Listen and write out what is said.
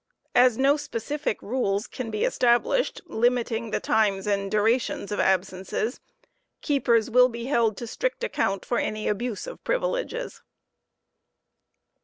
As no specific rules can he established limiting the times and durations of absences, keepers will be held to strict account for any abuse of privileges.